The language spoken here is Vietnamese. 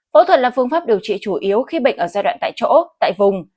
phẫu thuật là phương pháp điều trị chủ yếu khi bệnh ở giai đoạn tại chỗ tại vùng